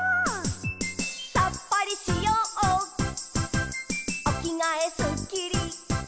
「さっぱりしようおきがえすっきり」